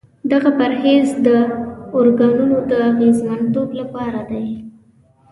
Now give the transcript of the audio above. دغه پرهیز د داروګانو د اغېزمنتوب لپاره دی.